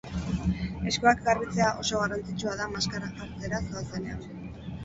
Eskuak garbitzea oso garrantzitsua da maskara jartzera zoazenean.